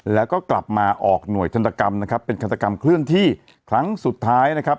แล้วก็กลับมาออกหน่วยทันตกรรมนะครับเป็นฆาตกรรมเคลื่อนที่ครั้งสุดท้ายนะครับ